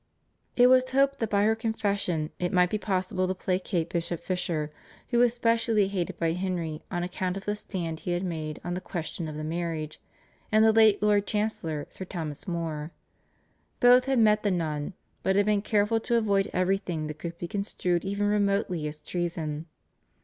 It was hoped that by her confession it might be possible to placate Bishop Fisher, who was specially hated by Henry on account of the stand he had made on the question of the marriage, and the late Lord Chancellor, Sir Thomas More. Both had met the nun, but had been careful to avoid everything that could be construed even remotely as treason.